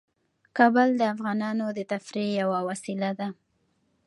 کابل د افغانانو د تفریح یوه وسیله ده.